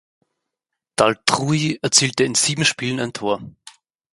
D’Altrui erzielte in sieben Spielen ein Tor.